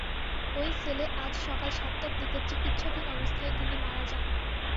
ওই সেলে আজ সকাল সাতটার দিকে চিকিৎসাধীন অবস্থায় তিনি মারা যান।